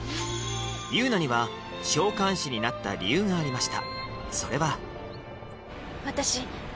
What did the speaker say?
ユウナには召喚士になった理由がありました